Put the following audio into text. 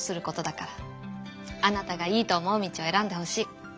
あなたがいいと思う道を選んでほしい。